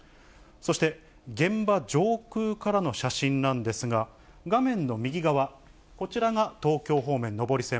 そして、現場上空からの写真なんですが、画面の右側、こちらが東京方面、上り線。